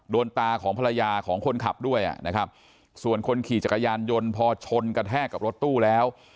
ตาของภรรยาของคนขับด้วยนะครับส่วนคนขี่จักรยานยนต์พอชนกระแทกกับรถตู้แล้ว